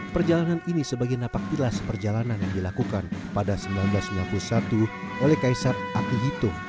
perjalanan ini sebagai napak tilas perjalanan yang dilakukan pada seribu sembilan ratus sembilan puluh satu oleh kaisar ati hitung